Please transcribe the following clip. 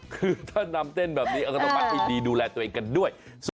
คือถ้านำเต้นแบบนี้ก็ต้องมัดให้ดีดูแลตัวเองกันด้วย